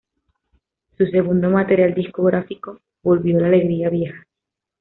Su segundo material discográfico, "Volvió la alegría, vieja!